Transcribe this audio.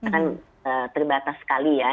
kan terbatas sekali ya